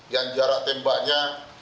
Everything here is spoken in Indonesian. yang jarak tembaknya